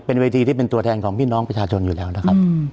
เป็นเวทีที่เป็นตัวแทนของพี่น้องประชาชนอยู่แล้วนะครับ